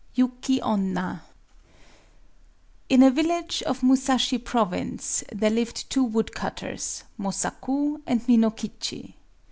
YUKI ONNA In a village of Musashi Province (1), there lived two woodcutters: Mosaku and Minokichi.